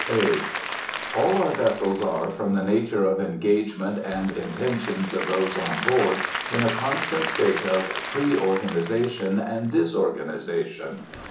(A.) All our vessels are, from the nature of engagement and intentions of those on board, in a constant state of pre organization and disorganization.